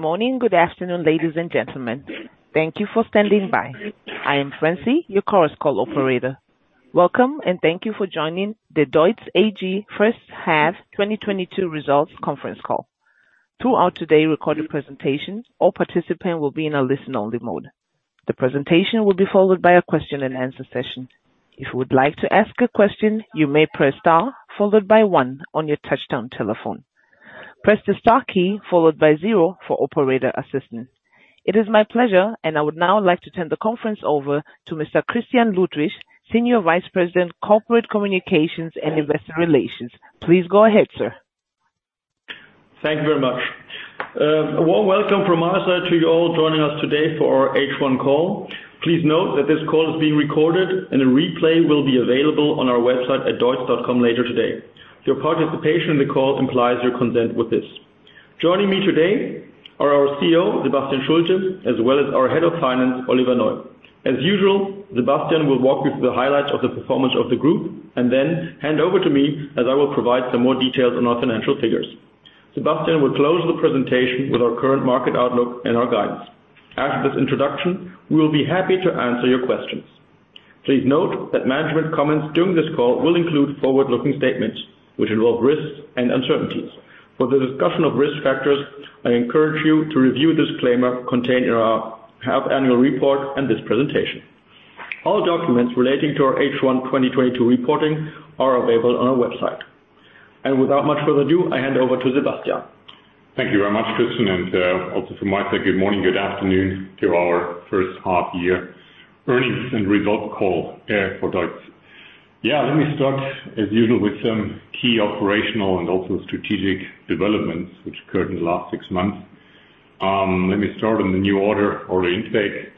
Good morning. Good afternoon, ladies and gentlemen. Thank you for standing by. I am Francie, your [Chorus Call] operator. Welcome, and thank you for joining the DEUTZ AG First Half 2022 Results Conference Call. Throughout today's recorded presentation, all participants will be in a listen-only mode. The presentation will be followed by a question-and-answer session. If you would like to ask a question, you may press star followed by one on your touch-tone telephone. Press the star key followed by zero for operator assistance. It is my pleasure, and I would now like to turn the conference over to Mr. Christian Ludwig, Senior Vice President, Corporate Communications and Investor Relations. Please go ahead, sir. Thank you very much. Warm welcome from our side to you all joining us today for our H1 call. Please note that this call is being recorded, and the replay will be available on our website at deutz.com later today. Your participation in the call implies your consent with this. Joining me today are our CEO, Sebastian Schulte, as well as our Head of Finance, Oliver Neu. As usual, Sebastian will walk you through the highlights of the performance of the group and then hand over to me as I will provide some more details on our financial figures. Sebastian will close the presentation with our current market outlook and our guidance. After this introduction, we will be happy to answer your questions. Please note that management comments during this call will include forward-looking statements which involve risks and uncertainties. For the discussion of risk factors, I encourage you to review the disclaimer contained in our half-annual report and this presentation. All documents relating to our H1 2022 reporting are available on our website. Without much further ado, I hand over to Sebastian. Thank you very much, Christian. Also from my side, good morning, good afternoon to our first half-year earnings and results call for DEUTZ. Yeah, let me start, as usual, with some key operational and also strategic developments which occurred in the last six months. Let me start in the new order or the intake.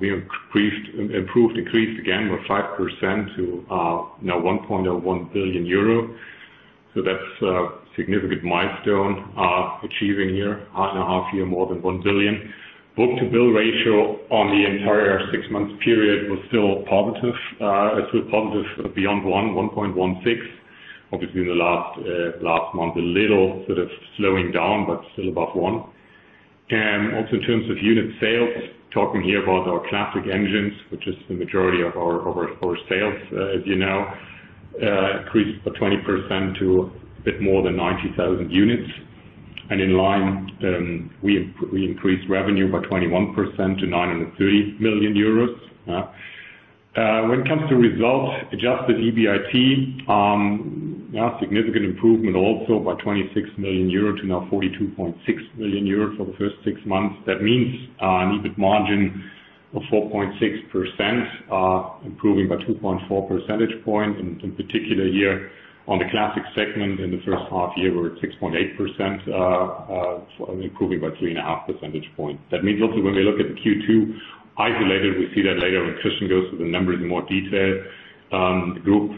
We increased, improved, increase again by 5% to now 1.01 billion euro. That is a significant milestone, achieving here half-and-a-half year more than 1 billion. Book-to-bill ratio on the entire six-month period was still positive, still positive beyond one, 1.16, obviously in the last, last month, a little sort of slowing down but still above one. Also in terms of unit sales, talking here about our classic engines, which is the majority of our sales, as you know, increased by 20% to a bit more than 90,000 units. In line, we increased revenue by 21% to 930 million euros. When it comes to result-adjusted EBIT, significant improvement also by 26 million euro to now 42.6 million euro for the first six months. That means an EBIT margin of 4.6%, improving by 2.4 percentage points. In particular here on the classic segment in the first half year, we are at 6.8%, improving by 3.5 percentage points. That means also when we look at the Q2 isolated, we see that later when Christian goes to the numbers in more detail. The group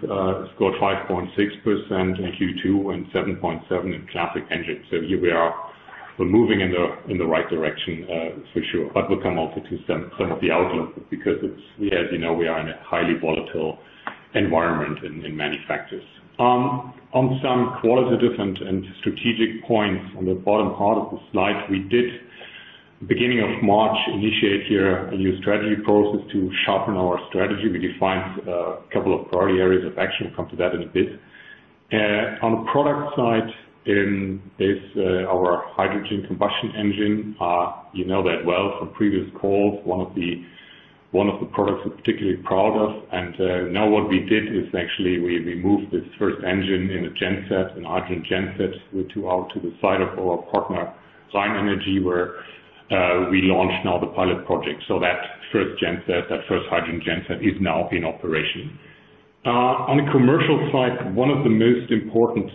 scored 5.6% in Q2 and 7.7% in classic engines. We are moving in the right direction, for sure. We will come on to some of the outlook because, as you know, we are in a highly volatile environment in manufacturers. On some qualitative and strategic points on the bottom part of the slide, we did, beginning of March, initiate here a new strategy process to sharpen our strategy. We defined a couple of priority areas of action. We'll come to that in a bit. On the product side, there's our hydrogen combustion engine. You know that well from previous calls. One of the products we're particularly proud of. Now what we did is actually we moved this first engine in a genset, a hydrogen genset, to the site of our partner RheinEnergie, where we launched now the pilot project. That first genset, that first hydrogen genset, is now in operation. On the commercial side, one of the most important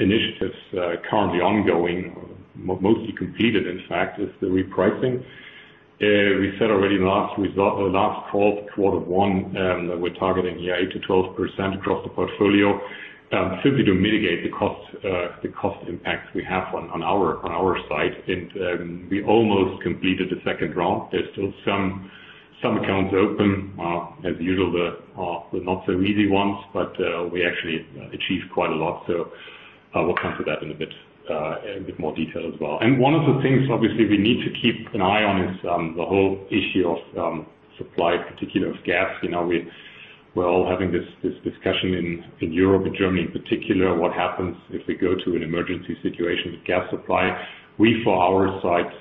initiatives, currently ongoing, mostly completed in fact, is the repricing. We said already in the last result, last call, quarter one, that we're targeting here 8%-12% across the portfolio, simply to mitigate the cost, the cost impacts we have on our side. We almost completed the second round. There's still some accounts open, as usual, the not-so-easy ones, but we actually achieved quite a lot. We will come to that in a bit, in a bit more detail as well. One of the things, obviously, we need to keep an eye on is the whole issue of supply, particularly of gas. You know, we're all having this discussion in Europe and Germany in particular, what happens if we go to an emergency situation with gas supply. We, for our side,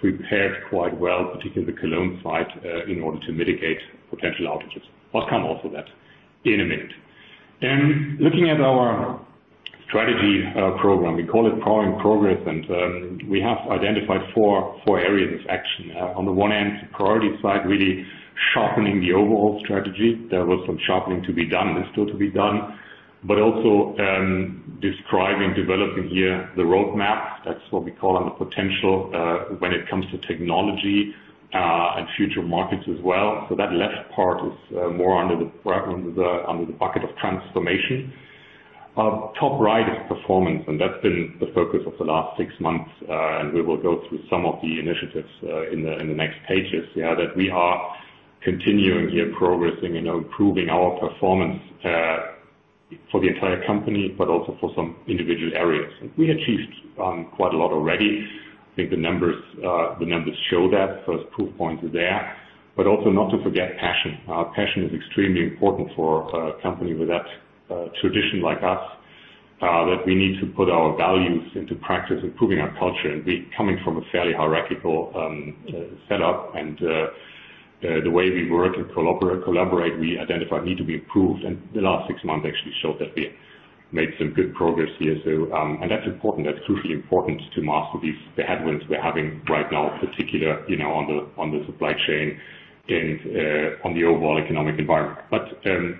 prepared quite well, particularly the Cologne site, in order to mitigate potential outages. I'll come on to that in a minute. Looking at our strategy program, we call it Powering Progress. We have identified four areas of action. On the one hand, the priority side, really sharpening the overall strategy. There was some sharpening to be done, is still to be done, but also describing, developing here the roadmap. That's what we call on the potential, when it comes to technology and future markets as well. That left part is more under the bucket of transformation. The top right is performance, and that's been the focus of the last six months. We will go through some of the initiatives in the next pages, yeah, that we are continuing here, progressing, you know, improving our performance for the entire company, but also for some individual areas. We achieved quite a lot already. I think the numbers, the numbers show that. It's proof points are there. Also, not to forget passion. Passion is extremely important for a company with that tradition like us, that we need to put our values into practice, improving our culture. We are coming from a fairly hierarchical setup and the way we work and collaborate, we identify need to be improved. The last six months actually showed that we made some good progress here. That's important. That's crucially important to master these headwinds we're having right now, in particular, you know, on the supply chain and on the overall economic environment.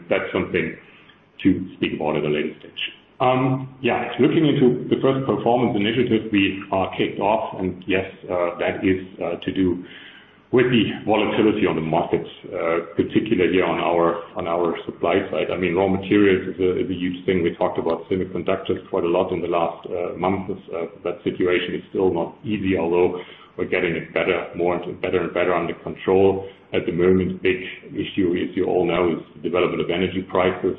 That's something to speak about at a later stage. Yeah, looking into the first performance initiative, we are kicked off. Yes, that is to do with the volatility on the markets, particularly here on our supply side. I mean, raw materials is a huge thing. We talked about semiconductors quite a lot in the last months. That situation is still not easy, although we're getting it better, more and better and better under control at the moment. Big issue, as you all know, is the development of energy prices,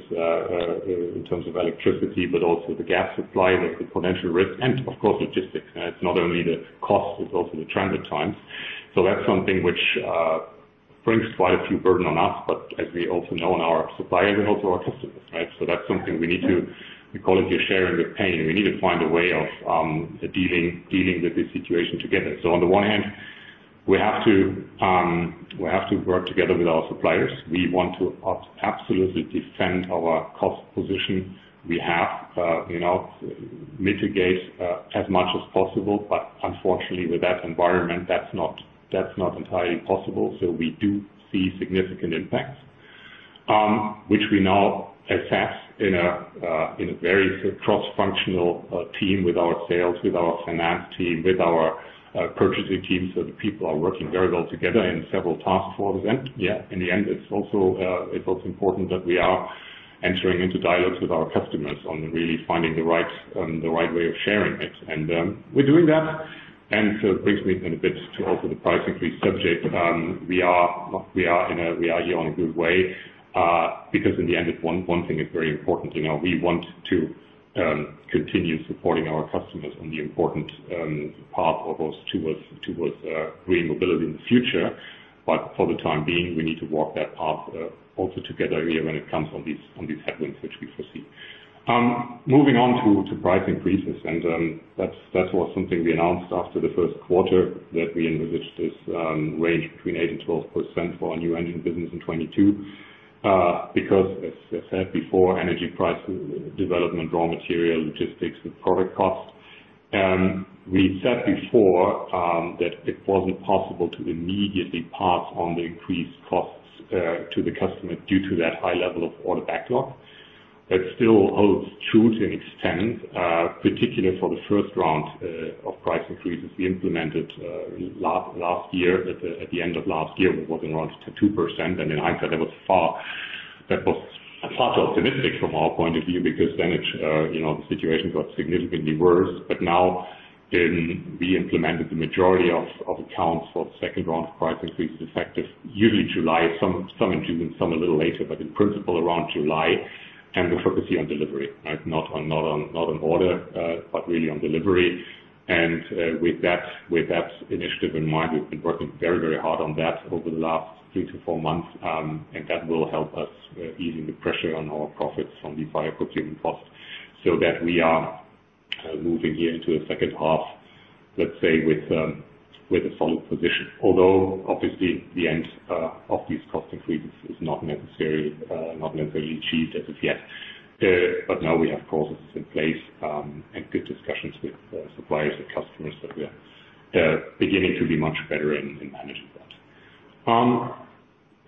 in terms of electricity, but also the gas supply, the potential risk, and of course, logistics. It's not only the cost, it's also the transit times. That brings quite a few burden on us, but as we also know, on our suppliers and also our customers, right? That's something we need to, we call it your sharing your pain. We need to find a way of dealing with this situation together. On the one hand, we have to work together with our suppliers. We want to absolutely defend our cost position, you know, mitigate as much as possible. Unfortunately, with that environment, that's not entirely possible. We do see significant impacts, which we now assess in a very cross-functional team with our sales, with our finance team, with our purchasing team. The people are working very well together in several task forces. Yeah, in the end, it's also important that we are entering into dialogues with our customers on really finding the right way of sharing it. We're doing that. It brings me in a bit to also the price increase subject. We are here on a good way, because in the end, one thing is very important. You know, we want to continue supporting our customers on the important path of us towards green mobility in the future. For the time being, we need to walk that path also together here when it comes on these headwinds which we foresee. Moving on to price increases. That was something we announced after the first quarter that we envisaged this range between 8%-12% for our new engine business in 2022, because, as I said before, energy price development, raw material, logistics, the product cost. We said before that it was not possible to immediately pass on the increased costs to the customer due to that high level of order backlog. That still holds true to an extent, particularly for the first round of price increases we implemented last year at the end of last year. We was in around 2%. In hindsight, that was far too optimistic from our point of view because then it, you know, the situation got significantly worse. Now, we implemented the majority of accounts for the second round of price increases effective usually July, some in June, some a little later, but in principle around July. We're focusing on delivery, right? Not on order, but really on delivery. With that initiative in mind, we've been working very, very hard on that over the last three to four months. That will help us, easing the pressure on our profits on the fire procurement cost so that we are moving here into the second half, let's say, with a solid position. Although, obviously, the end of these cost increases is not necessarily achieved as of yet. Now we have processes in place, and good discussions with suppliers and customers that we are beginning to be much better in managing that.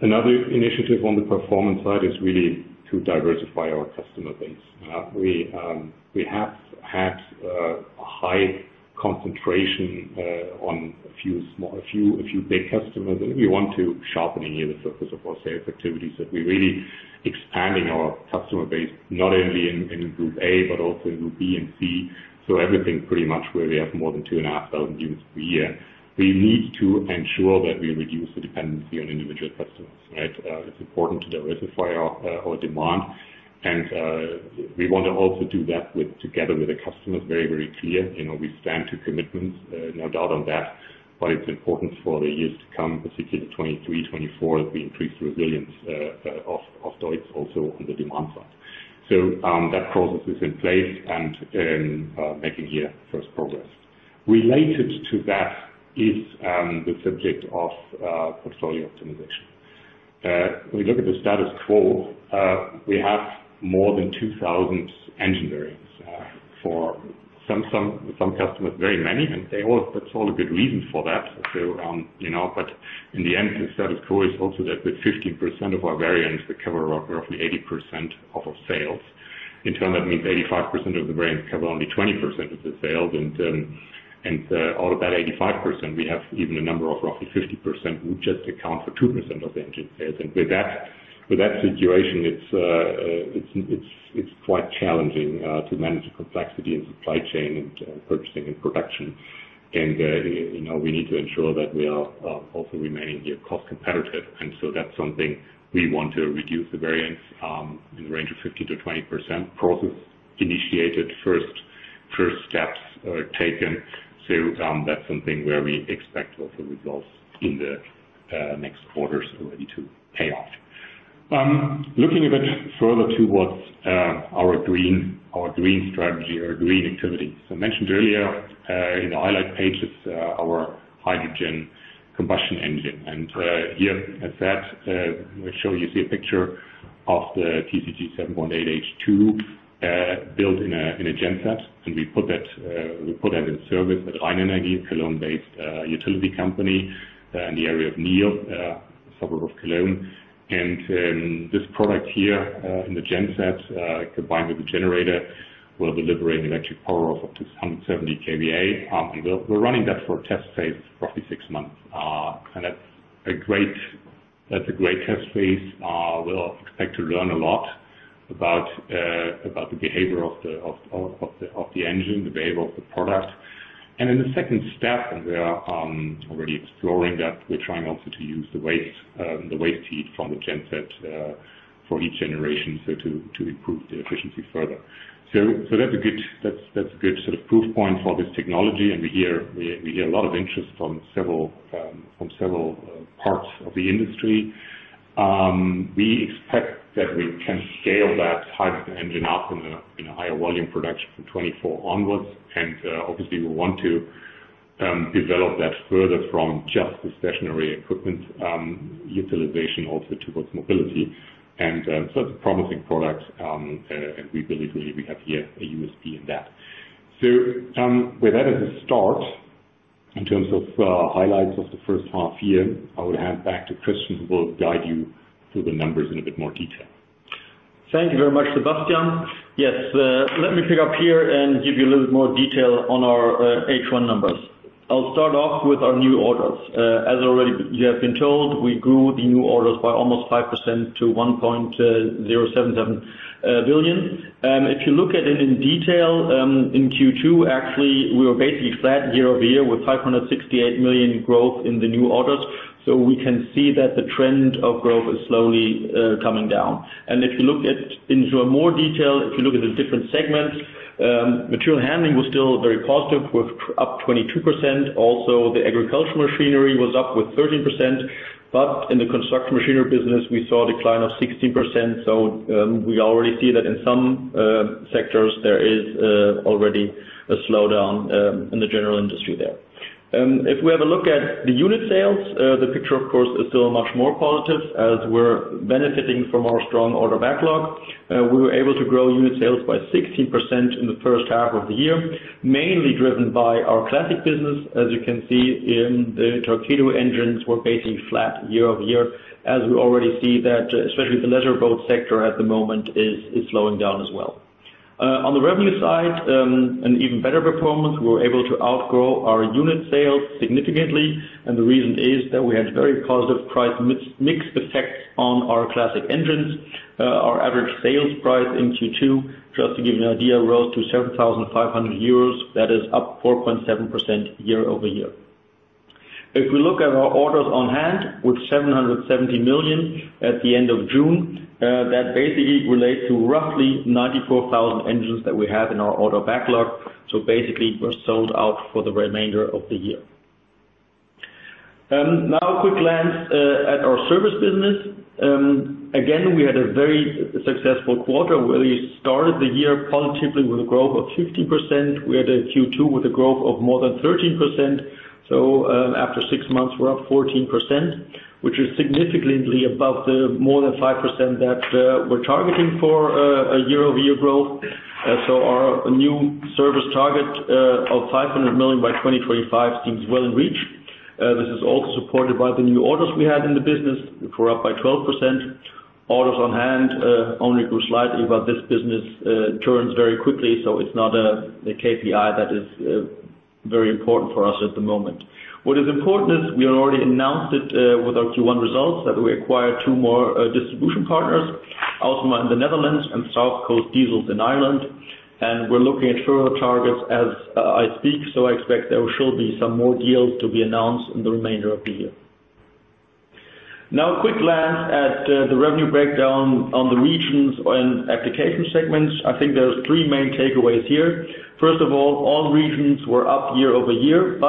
Another initiative on the performance side is really to diversify our customer base. We have had a high concentration on a few big customers. We want to sharpen here the focus of our sales activities so that we are really expanding our customer base, not only in group A, but also in group B and C. Everything pretty much where we have more than 2,500 units per year, we need to ensure that we reduce the dependency on individual customers, right? It's important to diversify our demand. We want to also do that together with the customers, very, very clear. You know, we stand to commitments, no doubt on that. It's important for the years to come, particularly 2023, 2024, that we increase the resilience of DEUTZ also on the demand side. That process is in place and making here first progress. Related to that is the subject of portfolio optimization. When we look at the status quo, we have more than 2,000 engine variants, for some customers, very many. And that's all a good reason for that. You know, in the end, the status quo is also that with 15% of our variants, we cover roughly 80% of our sales. In turn, that means 85% of the variants cover only 20% of the sales. Out of that 85%, we have even a number of roughly 50% who just account for 2% of the engine sales. With that situation, it's quite challenging to manage the complexity in supply chain, purchasing, and production. You know, we need to ensure that we are also remaining here cost competitive. That's something we want to reduce, the variance, in the range of 15%-20%. Process initiated, first steps taken. That's something where we expect also results in the next quarters already to pay off. Looking a bit further towards our green strategy or green activity. I mentioned earlier, in the highlight pages, our hydrogen combustion engine. Here, as you see, we show you a picture of the TCG 7.8 H2, built in a genset. We put that in service at RheinEnergie, a Cologne-based utility company in the area of Niehl, suburb of Cologne. This product here, in the genset, combined with the generator, will deliver an electric power of up to 170 kVA. We are running that for a test phase of roughly six months. That is a great test phase. We expect to learn a lot about the behavior of the engine, the behavior of the product. In the second step, we are already exploring that. We're trying also to use the waste heat from the genset for heat generation to improve the efficiency further. That's a good sort of proof point for this technology. We hear a lot of interest from several parts of the industry. We expect that we can scale that hybrid engine up in a higher volume production from 2024 onwards. Obviously, we want to develop that further from just the stationary equipment utilization also towards mobility. It's a promising product, and we believe really we have here a USP in that. With that as a start, in terms of highlights of the first half here, I will hand back to Christian who will guide you through the numbers in a bit more detail. Thank you very much, Sebastian. Yes, let me pick up here and give you a little bit more detail on our H1 numbers. I'll start off with our new orders. As already you have been told, we grew the new orders by almost 5% to 1.077 billion. If you look at it in detail, in Q2, actually, we were basically flat year-over-year with 568 million growth in the new orders. We can see that the trend of growth is slowly coming down. If you look at it in more detail, if you look at the different segments, material handling was still very positive with up 22%. Also, the Agricultural Machinery was up with 13%. In the Construction Machinery business, we saw a decline of 16%. We already see that in some sectors, there is already a slowdown in the general industry there. If we have a look at the unit sales, the picture, of course, is still much more positive as we're benefiting from our strong order backlog. We were able to grow unit sales by 16% in the first half of the year, mainly driven by our classic business. As you can see, the torpedo engines were basically flat year-over-year, as we already see that, especially the leisure boat sector at the moment is slowing down as well. On the revenue side, an even better performance. We were able to outgrow our unit sales significantly. The reason is that we had very positive price mix effects on our classic engines. Our average sales price in Q2, just to give you an idea, rose to 7,500 euros. That is up 4.7% year-over-year. If we look at our orders on hand with 770 million at the end of June, that basically relates to roughly 94,000 engines that we have in our order backlog. Basically, we're sold out for the remainder of the year. Now a quick glance at our service business. Again, we had a very successful quarter where we started the year positively with a growth of 15%. We had a Q2 with a growth of more than 13%. After six months, we're up 14%, which is significantly above the more than 5% that we're targeting for a year-over-year growth. Our new service target of 500 million by 2025 seems well in reach. This is also supported by the new orders we had in the business, up by 12%. Orders on hand only grew slightly, but this business turns very quickly. It is not a KPI that is very important for us at the moment. What is important is we already announced with our Q1 results that we acquired two more distribution partners, Altima in the Netherlands and South Coast Diesels in Ireland. We are looking at further targets as I speak. I expect there will still be some more deals to be announced in the remainder of the year. Now, a quick glance at the revenue breakdown on the regions and application segments. I think there are three main takeaways here. First of all, all regions were up year-over-year.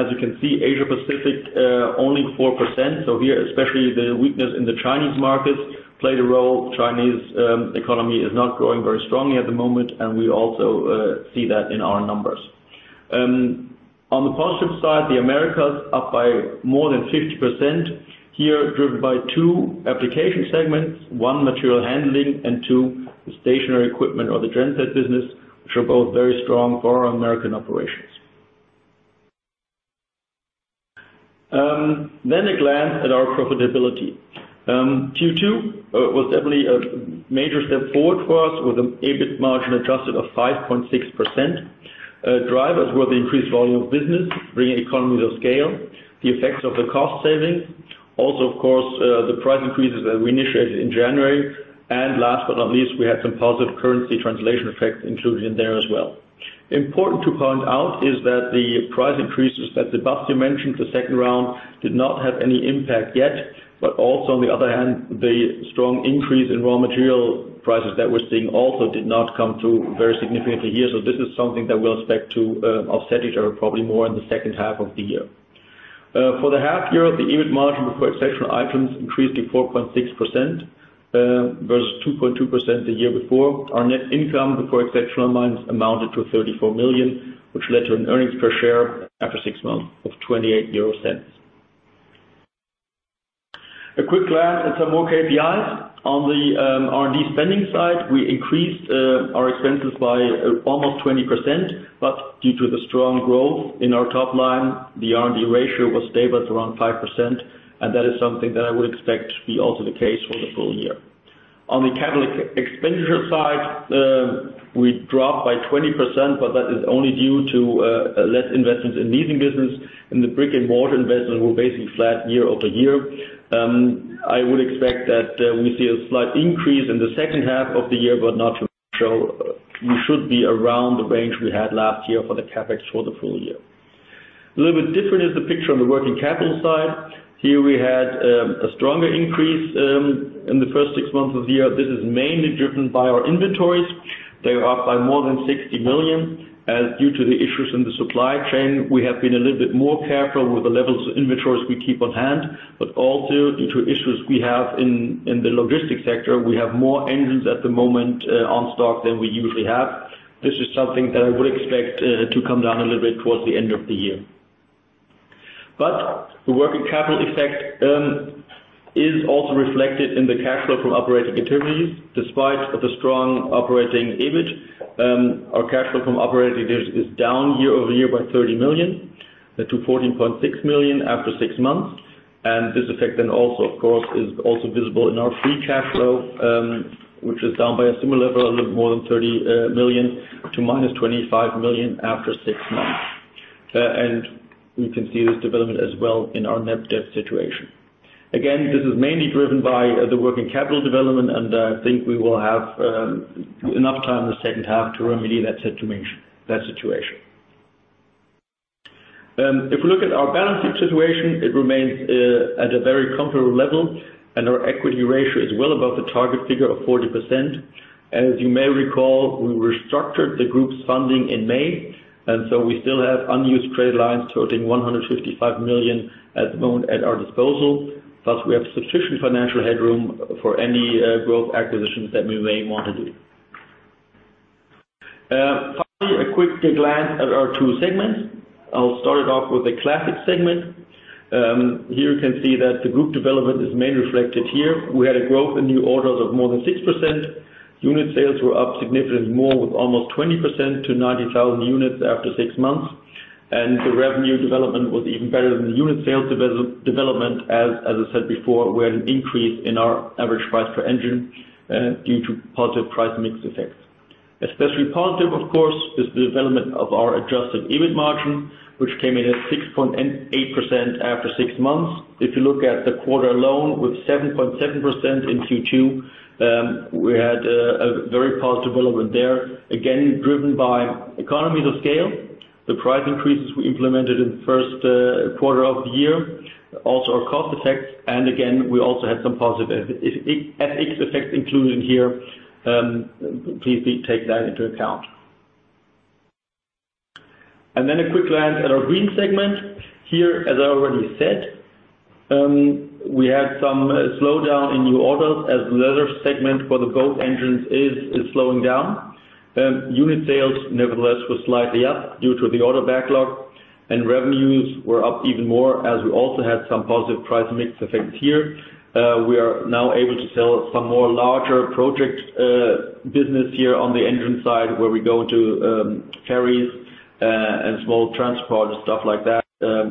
As you can see, Asia-Pacific, only 4%. Here, especially the weakness in the Chinese markets played a role. The Chinese economy is not growing very strongly at the moment. We also see that in our numbers. On the positive side, the Americas are up by more than 50% here, driven by two application segments: one, material handling, and two, the stationary equipment or the genset business, which are both very strong for our American operations. A glance at our profitability: Q2 was definitely a major step forward for us with an EBIT margin adjusted of 5.6%. Drivers were the increased volume of business, bringing economies of scale, the effects of the cost savings. Also, of course, the price increases that we initiated in January. Last but not least, we had some positive currency translation effects included in there as well. Important to point out is that the price increases that Sebastian mentioned, the second round, did not have any impact yet. Also, on the other hand, the strong increase in raw material prices that we're seeing also did not come through very significantly here. This is something that we'll expect to offset each other probably more in the second half of the year. For the half year, the EBIT margin before exceptional items increased to 4.6%, versus 2.2% the year before. Our net income before exceptional items amounted to 34 million, which led to an earnings per share after six months of 0.28. A quick glance at some more KPIs. On the R&D spending side, we increased our expenses by almost 20%. Due to the strong growth in our top line, the R&D ratio was stable at around 5%. That is something that I would expect to be also the case for the full year. On the capital expenditure side, we dropped by 20%, but that is only due to less investments in leasing business. The brick-and-mortar investment was basically flat year-over-year. I would expect that we see a slight increase in the second half of the year, but not too much. We should be around the range we had last year for the CapEx for the full year. A little bit different is the picture on the working capital side. Here we had a stronger increase in the first six months of the year. This is mainly driven by our inventories. They are up by more than 60 million. Due to the issues in the supply chain, we have been a little bit more careful with the levels of inventories we keep on hand. Also, due to issues we have in the logistics sector, we have more engines at the moment on stock than we usually have. This is something that I would expect to come down a little bit towards the end of the year. The working capital effect is also reflected in the cash flow from operating activities. Despite the strong operating EBIT, our cash flow from operating activities is down year-over-year by 30 million to 14.6 million after six months. This effect then also, of course, is also visible in our free cash flow, which is down by a similar level, a little bit more than 30 million-EUR million after six months. We can see this development as well in our net debt situation. Again, this is mainly driven by the working capital development. I think we will have enough time in the second half to remedy that situation. If we look at our balance sheet situation, it remains at a very comparable level. Our equity ratio is well above the target figure of 40%. As you may recall, we restructured the group's funding in May. We still have unused trade lines totaling 155 million at the moment at our disposal. Plus, we have sufficient financial headroom for any growth acquisitions that we may want to do. Finally, a quick glance at our two segments. I'll start it off with the classic segment. Here you can see that the group development is mainly reflected here. We had a growth in new orders of more than 6%. Unit sales were up significantly more with almost 20% to 90,000 units after six months. The revenue development was even better than the unit sales development. As I said before, we had an increase in our average price per engine, due to positive price mix effects. Especially positive, of course, is the development of our adjusted EBIT margin, which came in at 6.8% after six months. If you look at the quarter alone with 7.7% in Q2, we had a very positive development there, again, driven by economies of scale, the price increases we implemented in the first quarter of the year, also our cost effects. We also had some positive FX effects included in here. Please take that into account. A quick glance at our green segment. Here, as I already said, we had some slowdown in new orders as the leisure segment for the boat engines is slowing down. Unit sales, nevertheless, were slightly up due to the order backlog. Revenues were up even more as we also had some positive price mix effects here. We are now able to sell some more larger project business here on the engine side where we go into ferries, and small transport and stuff like that,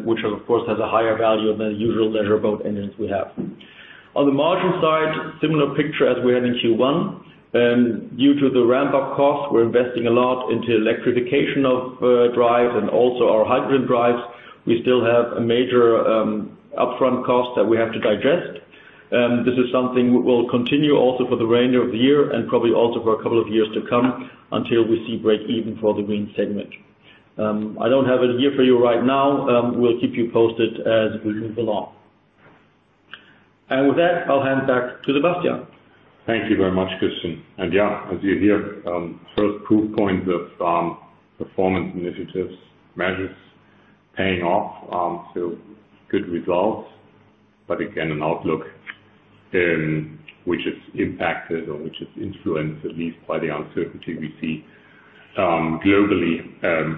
which are, of course, has a higher value than the usual leisure boat engines we have. On the margin side, similar picture as we had in Q1. Due to the ramp-up cost, we're investing a lot into electrification of drives and also our hydrogen drives. We still have a major upfront cost that we have to digest. This is something we'll continue also for the remainder of the year and probably also for a couple of years to come until we see break even for the green segment. I don't have it here for you right now. We'll keep you posted as we move along. With that, I'll hand back to Sebastian. Thank you very much, Christian. As you hear, first proof points of performance initiatives, measures paying off, so good results. Again, an outlook, which is impacted or which is influenced at least by the uncertainty we see globally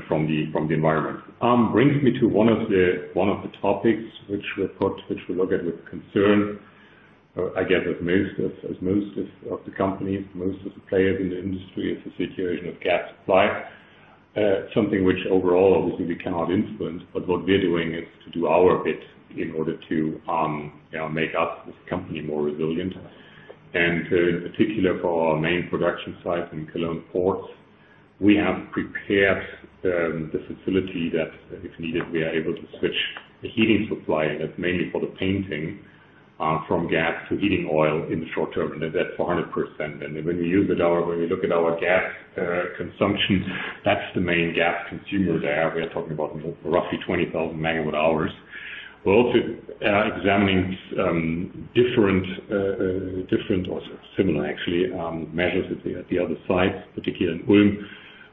from the environment. This brings me to one of the topics which we'll look at with concern, I guess, as most of the companies, most of the players in the industry, is the situation of gas supply. Something which overall, obviously, we cannot influence. What we are doing is to do our bit in order to, you know, make us as a company more resilient. In particular, for our main production site in Cologne ports, we have prepared the facility that, if needed, we are able to switch the heating supply. It is mainly for the painting, from gas to heating oil in the short term. That is 400%. When we use it, or when we look at our gas consumption, that is the main gas consumer there. We are talking about roughly 20,000 MWh. We are also examining different, different or similar, actually, measures at the other site, particularly in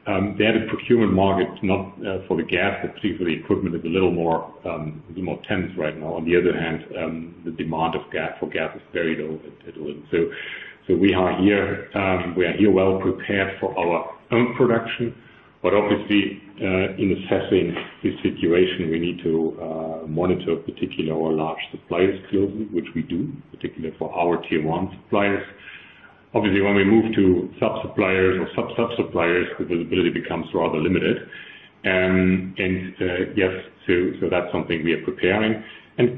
Ulm. They had a procurement market, not for the gas, but particularly equipment is a little more, a little more tense right now. On the other hand, the demand for gas is very low at Ulm. We are here well prepared for our own production. Obviously, in assessing this situation, we need to monitor particularly our large suppliers closely, which we do, particularly for our tier one suppliers. Obviously, when we move to sub-suppliers or sub-sub-suppliers, the visibility becomes rather limited. Yes, that's something we are preparing.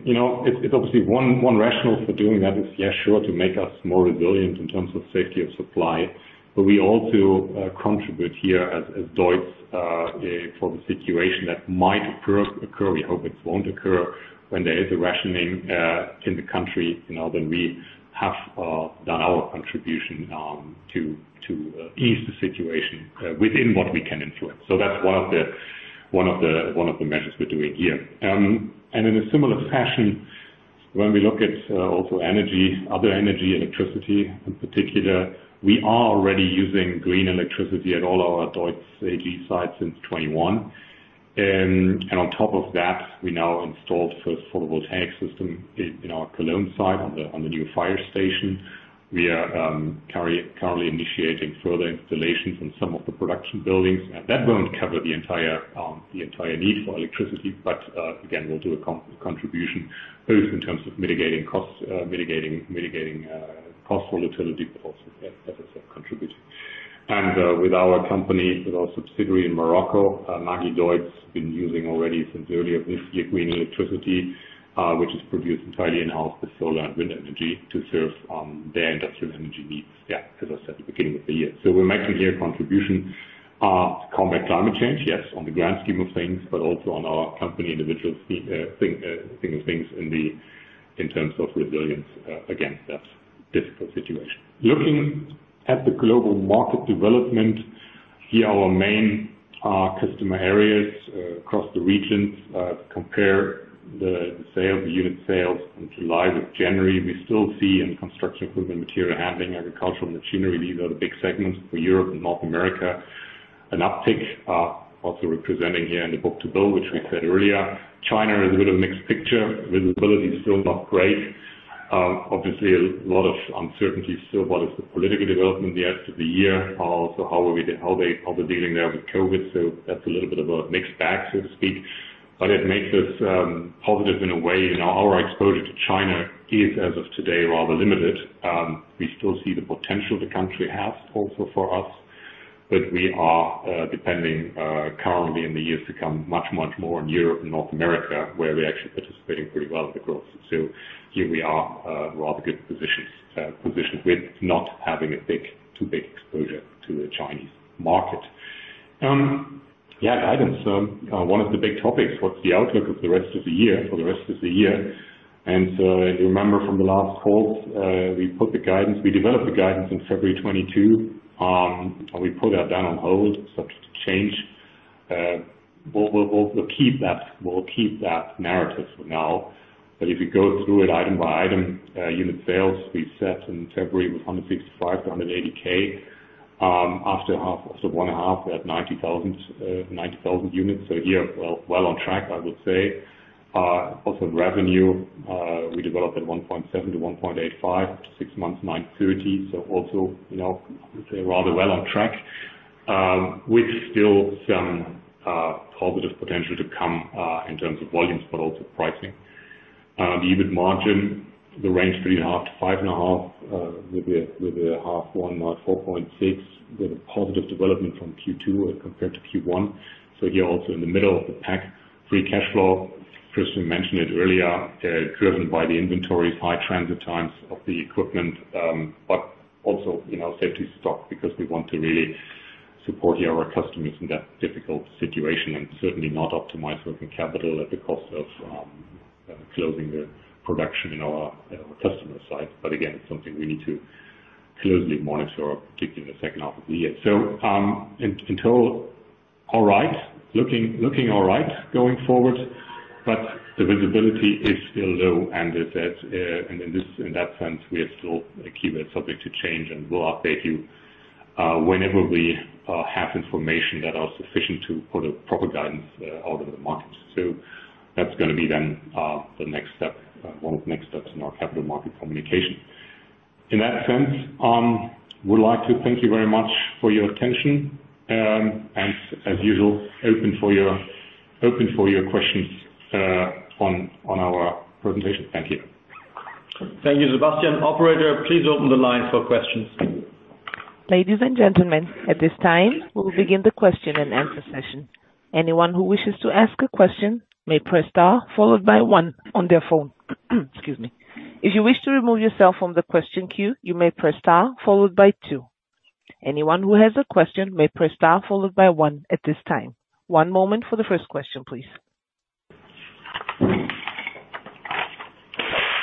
You know, it's obviously one rationale for doing that, yeah, sure, to make us more resilient in terms of safety of supply. We also contribute here as DEUTZ for the situation that might occur. We hope it will not occur when there is a rationing in the country. You know, then we have done our contribution to ease the situation within what we can influence. That's one of the measures we're doing here. In a similar fashion, when we look at energy, other energy, electricity in particular, we are already using green electricity at all our DEUTZ AG sites since 2021. On top of that, we now installed the first photovoltaic system at our Cologne site on the new fire station. We are currently initiating further installations on some of the production buildings. That will not cover the entire need for electricity, but again, we will do a contribution both in terms of mitigating costs, mitigating cost volatility, but also, as I said, contributing. With our company, with our subsidiary in Morocco, Magideutz has been using, already since earlier this year, green electricity, which is produced entirely in-house with solar and wind energy to serve their industrial energy needs. Yeah, as I said at the beginning of the year, we're making here a contribution to combat climate change, yes, on the grand scheme of things, but also on our company individual thing in terms of resilience against that difficult situation. Looking at the global market development here, our main customer areas across the regions, compare the sales, the unit sales from July to January. We still see in construction equipment, material handling, agricultural machinery, these are the big segments for Europe and North America. An uptick also representing here in the book-to-bill, which we said earlier. China is a bit of a mixed picture. Visibility is still not great. Obviously, a lot of uncertainty still. What is the political development yet to the year? Also, how are we, how they, how they're dealing there with COVID? That's a little bit of a mixed bag, so to speak. It makes us positive in a way. You know, our exposure to China is, as of today, rather limited. We still see the potential the country has also for us. We are, depending, currently in the years to come, much, much more on Europe and North America, where we're actually participating pretty well in the growth. Here we are, rather good positions, positioned with not having too big exposure to the Chinese market. Yeah, guidance. One of the big topics, what's the outlook of the rest of the year for the rest of the year? You remember from the last calls, we put the guidance, we developed the guidance in February 2022, and we put that down on hold such to change. We'll keep that narrative for now. If you go through it item by item, unit sales, we set in February was 165,000-180,000. After one half, we had 90,000, 90,000 units. Here, well on track, I would say. Also revenue, we developed at 1.7 billion-1.85 billion, six months, 930 million. I would say rather well on track, with still some positive potential to come, in terms of volumes, but also pricing. The EBIT margin, the range 3.5%-5.5%, with a half one now 4.6%, with a positive development from Q2 as compared to Q1. Here, also in the middle of the pack, free cash flow, Christian mentioned it earlier, driven by the inventories, high transit times of the equipment, but also, you know, safety stock because we want to really support here our customers in that difficult situation and certainly not optimize working capital at the cost of closing the production in our customer side. Again, it's something we need to closely monitor, particularly in the second half of the year. Until all right, looking all right going forward. The visibility is still low. As that, and in this in that sense, we are still a key subject to change. We'll update you, whenever we have information that are sufficient to put a proper guidance out on the market. That is going to be then, the next step, one of the next steps in our capital market communication. In that sense, would like to thank you very much for your attention, and as usual, open for your questions on our presentation. Thank you. Thank you, Sebastian. Operator, please open the lines for questions. Ladies and gentlemen, at this time, we'll begin the question and answer session. Anyone who wishes to ask a question may press star followed by one on their phone. Excuse me. If you wish to remove yourself from the question queue, you may press star followed by two. Anyone who has a question may press star followed by one at this time. One moment for the first question, please.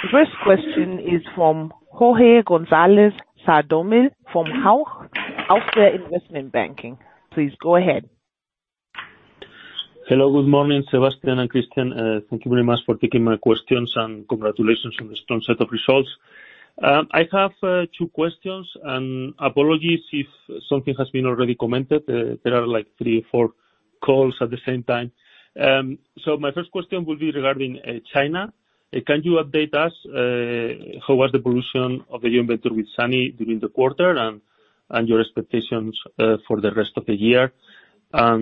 The first question is from Jorge González Sadornil from Hauck Aufhäuser Investment Banking. Please go ahead. Hello, good morning, Sebastian and Christian. Thank you very much for taking my questions and congratulations on this strong set of results. I have two questions. Apologies if something has been already commented. There are like three or four calls at the same time. My first question will be regarding China. Can you update us, how was the evolution of the new inventory with SANY during the quarter and your expectations for the rest of the year? My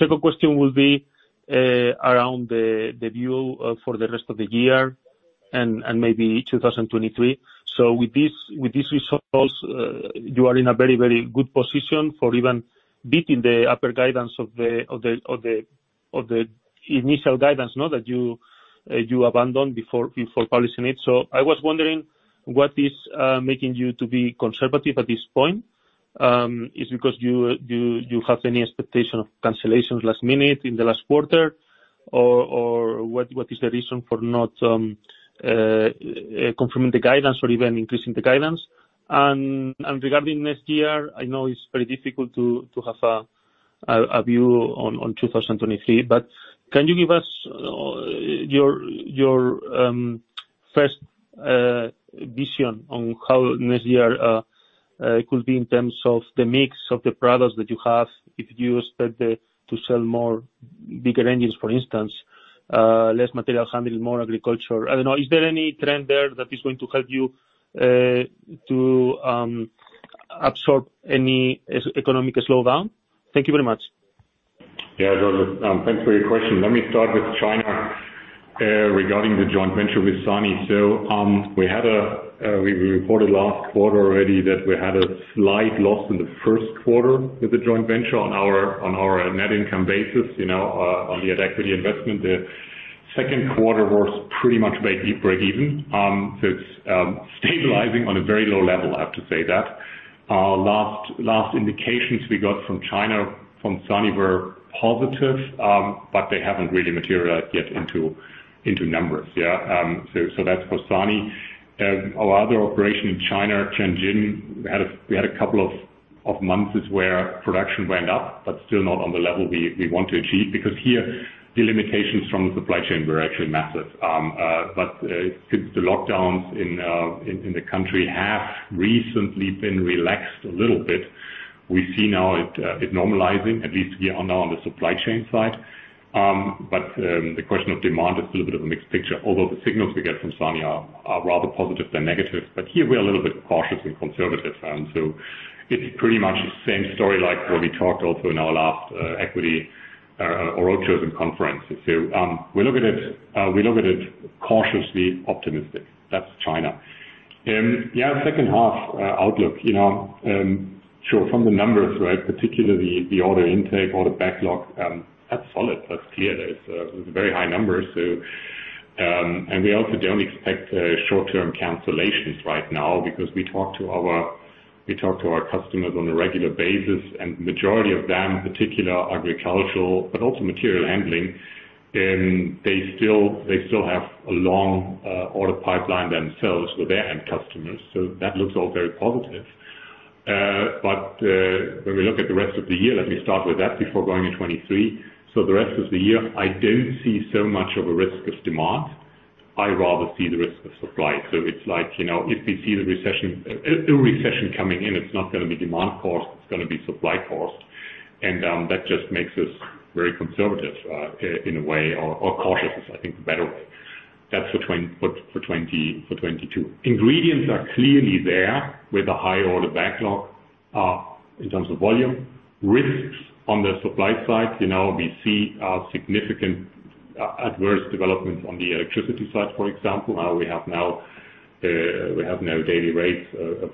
second question will be around the view for the rest of the year and maybe 2023. With these results, you are in a very, very good position for even beating the upper guidance of the initial guidance, no, that you abandoned before publishing it. I was wondering what is making you to be conservative at this point. Is it because you have any expectation of cancellations last minute in the last quarter? What is the reason for not confirming the guidance or even increasing the guidance? Regarding next year, I know it is very difficult to have a view on 2023. Can you give us your first vision on how next year could be in terms of the mix of the products that you have, if you expect to sell more bigger engines, for instance, less material handling, more agriculture? I do not know. Is there any trend there that is going to help you to absorb any economic slowdown? Thank you very much. Good, thanks for your question. Let me start with China, regarding the joint venture with SANY. We reported last quarter already that we had a slight loss in the first quarter with the joint venture on our net income basis, you know, on the equity investment. The second quarter was pretty much break even. It is stabilizing on a very low level, I have to say that. Last indications we got from China, from SANY, were positive, but they have not really materialized yet into numbers, yeah. That is for SANY. Our other operation in China, Tianjin, we had a couple of months where production went up, but still not on the level we want to achieve because here, the limitations from the supply chain were actually massive. But since the lockdowns in the country have recently been relaxed a little bit, we see now it normalizing, at least we are now on the supply chain side. The question of demand is still a bit of a mixed picture. Although the signals we get from SANY are rather positive than negative, here we are a little bit cautious and conservative. It is pretty much the same story like what we talked also in our last equity or roadshows and conferences. We look at it cautiously optimistic. That is China. Second half outlook, you know, sure, from the numbers, right, particularly the order intake, order backlog, that is solid. That is clear. There are very high numbers. We also do not expect short-term cancellations right now because we talk to our customers on a regular basis. The majority of them, particularly agricultural, but also material handling, still have a long order pipeline themselves with their end customers. That looks all very positive. When we look at the rest of the year, let me start with that before going into 2023. For the rest of the year, I do not see so much of a risk of demand. I rather see the risk of supply. It is like, you know, if we see a recession coming in, it is not going to be demand forced. It is going to be supply forced. That just makes us very conservative, in a way, or cautious, I think, is the better way. That is for 2022. Ingredients are clearly there with a high order backlog, in terms of volume. Risks on the supply side, you know, we see a significant, adverse development on the electricity side, for example. We have now daily rates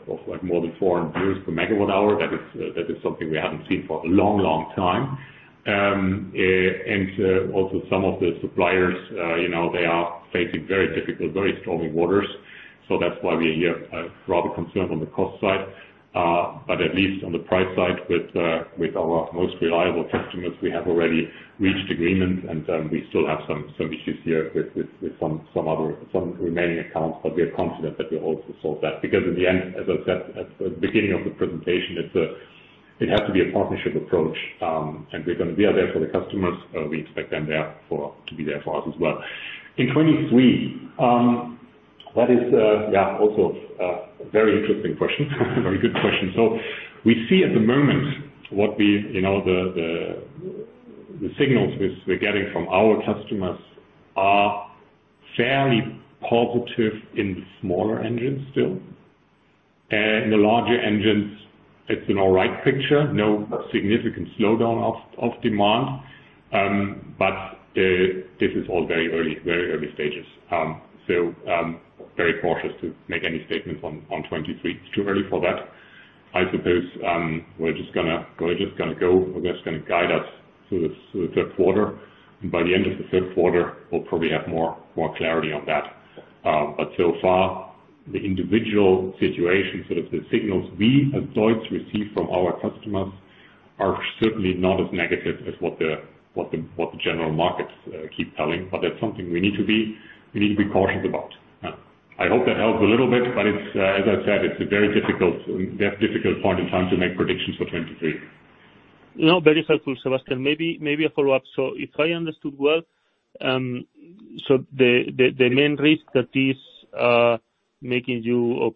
of like more than 400 euros per MWh. That is something we have not seen for a long, long time. Also, some of the suppliers, you know, they are facing very difficult, very stormy waters. That is why we are here, rather concerned on the cost side. At least on the price side with our most reliable customers, we have already reached agreement. We still have some issues here with some other remaining accounts. We are confident that we'll also solve that because in the end, as I said at the beginning of the presentation, it has to be a partnership approach. We are going to be out there for the customers. We expect them to be there for us as well. In 2023, that is, yeah, also a very interesting question, a very good question. We see at the moment what we, you know, the signals we're getting from our customers are fairly positive in the smaller engines still. In the larger engines, it's an all right picture, no significant slowdown of demand. This is all very early, very early stages. We are very cautious to make any statements on 2023. It's too early for that. I suppose we're just going to guide us through the third quarter. By the end of the third quarter, we'll probably have more clarity on that. So far, the individual situation, sort of the signals we as DEUTZ receive from our customers are certainly not as negative as what the general markets keep telling. That is something we need to be cautious about. I hope that helps a little bit. As I said, it's a very difficult point in time to make predictions for 2023. No, very helpful, Sebastian. Maybe a follow-up. If I understood well, the main risk that is making you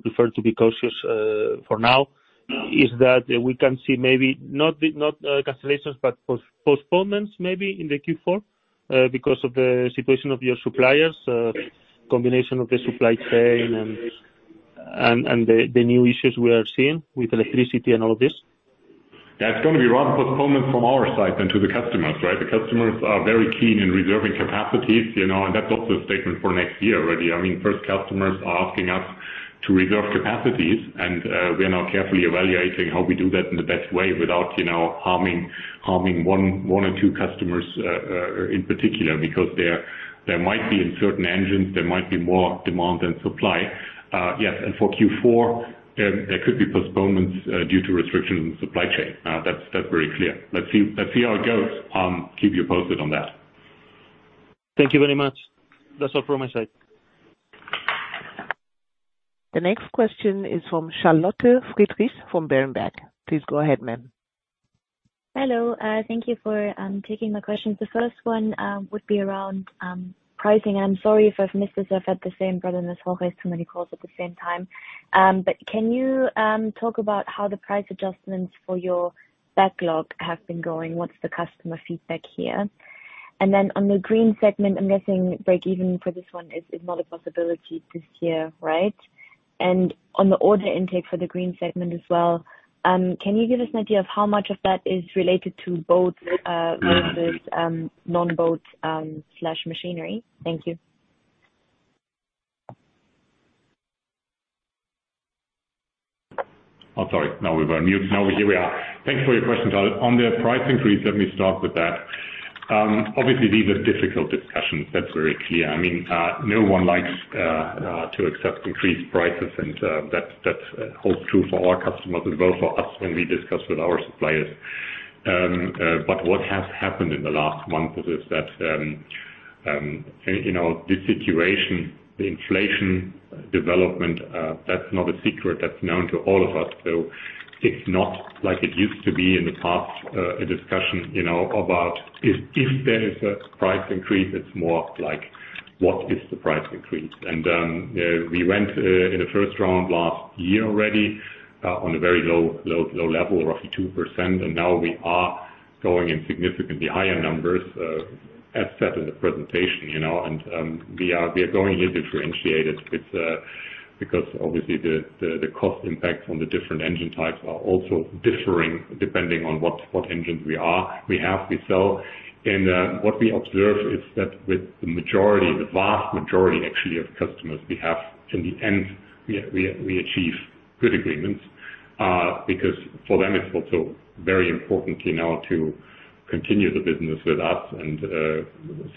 prefer to be cautious for now is that we can see maybe not cancellations, but postponements maybe in Q4 because of the situation of your suppliers, combination of the supply chain and the new issues we are seeing with electricity and all of this? That is going to be rather postponement from our side and to the customers, right? The customers are very keen in reserving capacities, you know. And that is also a statement for next year already. I mean, first customers are asking us to reserve capacities. We are now carefully evaluating how we do that in the best way without, you know, harming one or two customers in particular, because there might be, in certain engines, there might be more demand than supply. Yes. For Q4, there could be postponements due to restrictions in the supply chain. That's very clear. Let's see how it goes. Keep you posted on that. Thank you very much. That's all from my side. The next question is from Charlotte Friedrichs from Berenberg. Please go ahead, ma'am. Hello. Thank you for taking my questions. The first one would be around pricing. I'm sorry if I've missed this off at the same, rather than this whole, has too many calls at the same time. But can you talk about how the price adjustments for your backlog have been going? What's the customer feedback here? And then on the green segment, I'm guessing break even for this one is not a possibility this year, right? And on the order intake for the green segment as well, can you give us an idea of how much of that is related to boats, versus non-boats, slash machinery? Thank you. Oh, sorry. Now we've muted. Now here we are. Thanks for your questions, Charlotte. On the price increase, let me start with that. Obviously, these are difficult discussions. That's very clear. I mean, no one likes to accept increased prices. That holds true for our customers as well as for us when we discuss with our suppliers. What has happened in the last months is that this situation, the inflation development, that's not a secret. That's known to all of us. It is not like it used to be in the past, a discussion, you know, about if there is a price increase, it is more like what is the price increase. We went, in the first round last year already, on a very low level, roughly 2%. Now we are going in significantly higher numbers, as said in the presentation, you know. We are going indifferentiated. It is because obviously the cost impacts on the different engine types are also differing depending on what engines we are, we have, we sell. What we observe is that with the majority, the vast majority actually of customers we have, in the end, we achieve good agreements, because for them it is also very important, you know, to continue the business with us.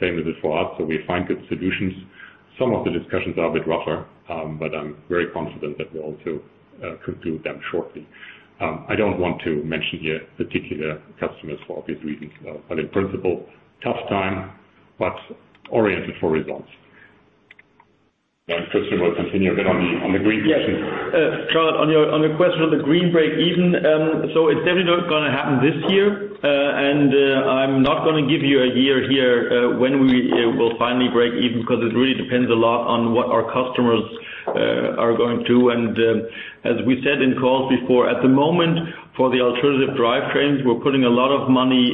Same as it is for us. We find good solutions. Some of the discussions are a bit rougher, but I'm very confident that we'll also conclude them shortly. I don't want to mention here particular customers for obvious reasons. In principle, tough time, but oriented for results. Customers will continue a bit on the green question. Yeah. Charlotte, on your question of the green break even, it's definitely not going to happen this year. I'm not going to give you a year here when we will finally break even because it really depends a lot on what our customers are going to. As we said in calls before, at the moment for the alternative drivetrains, we're putting a lot of money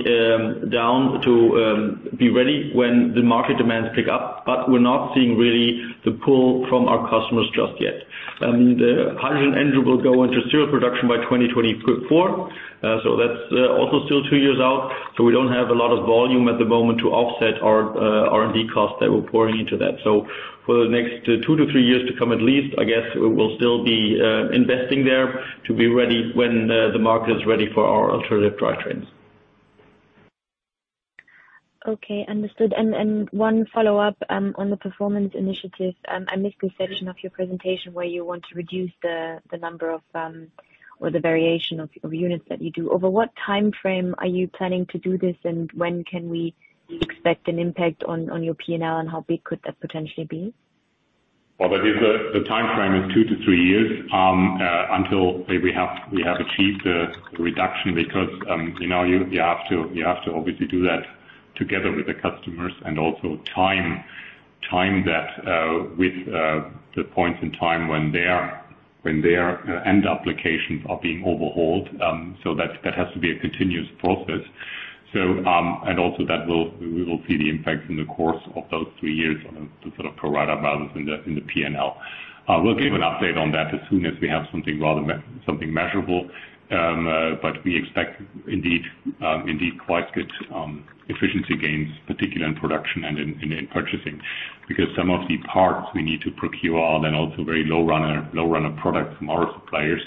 down to be ready when the market demands pick up. We're not seeing really the pull from our customers just yet. The hydrogen engine will go into serial production by 2024. That is also still two years out. We do not have a lot of volume at the moment to offset our R&D costs that we are pouring into that. For the next two to three years to come at least, I guess we will still be investing there to be ready when the market is ready for our alternative drivetrains. Okay. Understood. One follow-up, on the performance initiative. I missed the section of your presentation where you want to reduce the number of, or the variation of units that you do. Over what time frame are you planning to do this? When can we expect an impact on your P&L and how big could that potentially be? The time frame is two to three years, until we have achieved the reduction because, you know, you have to obviously do that together with the customers and also time that with the points in time when their end applications are being overhauled. That has to be a continuous process. Also, we will see the impact in the course of those three years on the sort of provider balance in the P&L. We'll give an update on that as soon as we have something measurable. We expect indeed quite good efficiency gains, particularly in production and in purchasing because some of the parts we need to procure are then also very low runner products from our suppliers.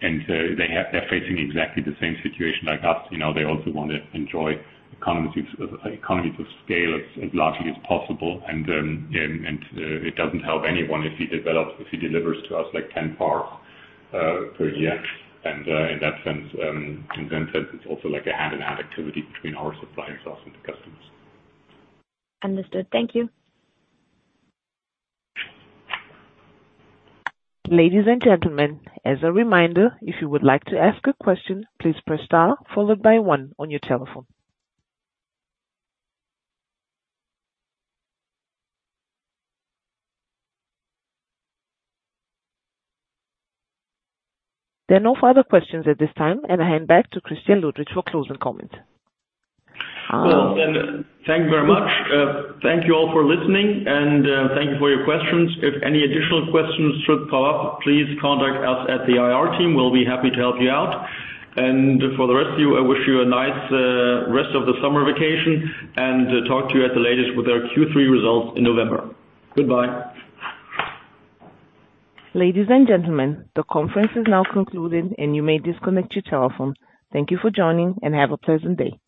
They are facing exactly the same situation like us. You know, they also want to enjoy economies of scale as largely as possible. It does not help anyone if he delivers to us like 10 parts per year. In that sense, it is also like a hand-in-hand activity between our suppliers and the customers. Understood. Thank you. Ladies and gentlemen, as a reminder, if you would like to ask a question, please press star followed by one on your telephone. There are no further questions at this time. I hand back to Christian Ludwig for closing comments. Thank you very much. Thank you all for listening. Thank you for your questions. If any additional questions should come up, please contact us at the IR team. We will be happy to help you out. For the rest of you, I wish you a nice rest of the summer vacation and talk to you at the latest with our Q3 results in November. Goodbye. Ladies and gentlemen, the conference is now concluded, and you may disconnect your telephone. Thank you for joining, and have a pleasant day. Goodbye.